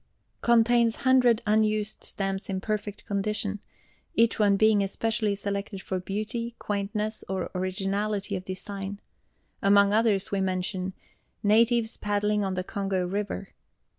Contains 100 Unused Stamps in perfect condition, each one being especially selected for beauty, quaintness, or originality of design. Among others, we mention: Natives Paddling on the Congo River.